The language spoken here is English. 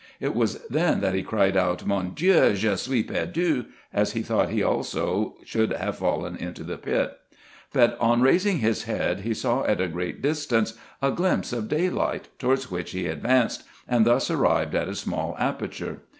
It was then that he cried out, " Mon Dieu ! je suis perdu !" as he thought he also should have fallen into the pit ; but, on raising his head, he saw at a great distance a glimpse of daylight, towards which he advanced, and thus arrived at a small aperture.